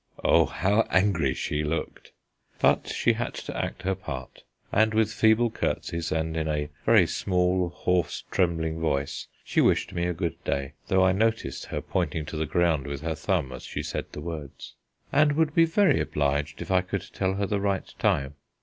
Oh, how angry she looked! But she had to act her part, and with feeble curtseys and in a very small hoarse trembling voice she wished me a good day (though I noticed her pointing to the ground with her thumb as she said the words) and would be very obliged if I could tell her the right time.